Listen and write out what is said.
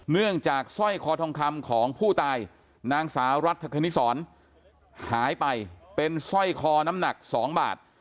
เนื่องจากสร้อยคอทองคำของผู้ตายนางสาวรัฐคณิสรหายไปเป็นสร้อยคอน้ำหนัก๒บาท